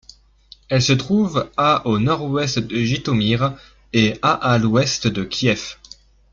Elle se trouve à au nord-ouest de Jytomyr et à à l'ouest de Kiev.